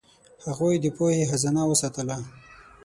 هغوی د پوهې خزانه وساتله.